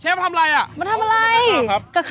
เชฟทำอะไรอ่ะมาทำอะไรกับใครอ่ะคะ